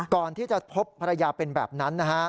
ก่อนที่จะพบภรรยาเป็นแบบนั้นนะฮะ